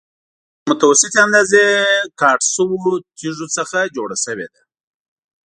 له متوسطې اندازې کټ شویو تېږو څخه جوړه شوې ده.